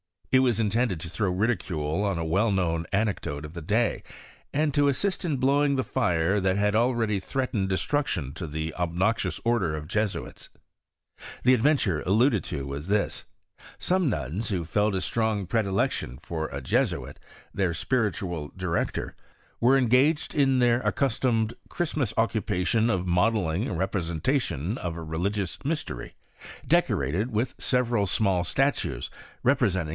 It was intended to tiffow ridicule on a well known anecdote of the day, and to assist in blowing the fire that already threat ened destruction to the obnoxious order of Jesuits. The adventure alluded to was this: Some nuns, who felt a strong predilection for a Jesuit, their spiritual director, were engs^ed in their accustomed Christmas occupation of modelling a representation ' a» religious mystery, decorated with several small 178 HISTORY OF CflEinSTIlT.